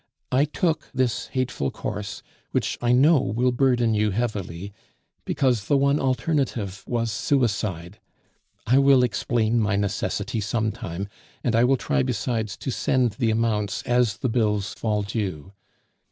I took this hateful course, which I know will burden you heavily, because the one alternative was suicide. I will explain my necessity some time, and I will try besides to send the amounts as the bills fall due.